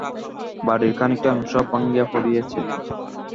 বাড়ির খানিকটা অংশ ভাঙিয়া পড়িয়ছে।